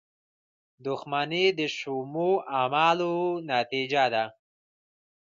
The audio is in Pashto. • دښمني د شومو اعمالو نتیجه ده.